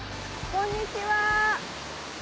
こんにちは。